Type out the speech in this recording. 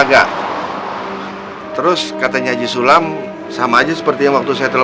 gue suruh jagain motor